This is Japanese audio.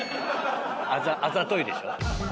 あざといでしょ？